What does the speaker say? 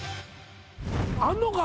あんのか？